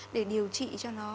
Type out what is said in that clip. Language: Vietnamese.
để điều trị cho nó